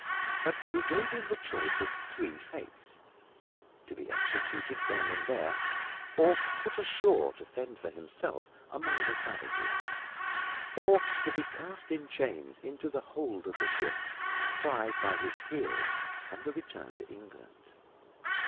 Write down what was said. But he gave him the choice of three fates, to be executed then and there, or put ashore to fend for himself among the savages, or to be cast in chains into the hold of the ship and tried by his peers on the return to England.